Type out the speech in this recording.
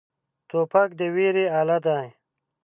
توپک د ویرې اله دی.